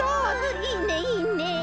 いいねいいね。